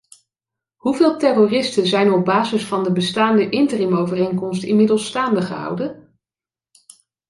Hoeveel terroristen zijn op basis van de bestaande interimovereenkomst inmiddels staande gehouden?